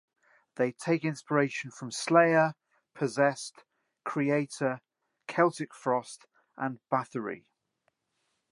They take inspiration from Slayer, Possessed, Kreator, Celtic Frost and Bathory.